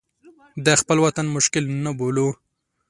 د خپل وطن مشکل نه بولو.